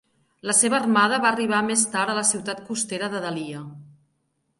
La seva armada va arribar més tard a la ciutat costera d"Adalia.